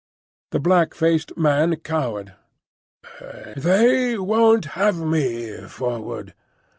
The black faced man cowered. "They—won't have me forward."